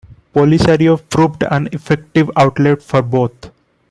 Polisario proved an effective outlet for both.